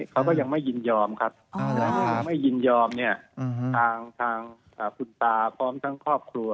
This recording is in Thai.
เขาก็ยังไม่ยินยอมครับแต่ถ้ายังไม่ยินยอมเนี่ยทางคุณตาพร้อมทั้งครอบครัว